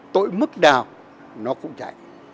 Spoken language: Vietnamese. tội mức nào nó cũng chạy